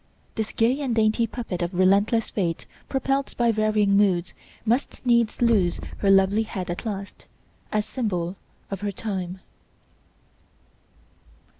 This gay and dainty puppet of relentless Fate propelled by varying moods must needs lose her lovely head at last, as symbol of her time.